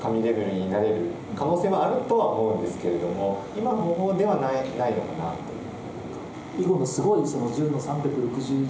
今の方法ではないのかなという。